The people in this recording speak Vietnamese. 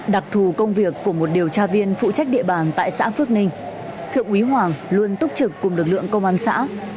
đặc thù công việc của một điều tra viên phụ trách địa bàn tại xã phước ninh thượng úy hoàng luôn túc trực cùng lực lượng công an xã